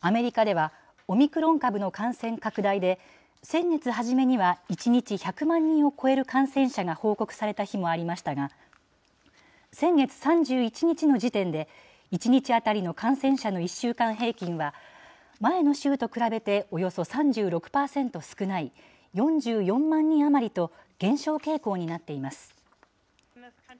アメリカでは、オミクロン株の感染拡大で、先月初めには１日１００万人を超える感染者が報告された日もありましたが、先月３１日の時点で、１日当たりの感染者の１週間平均は、前の週と比べておよそ３６％少ない４４万人余りと、減少傾向になっています。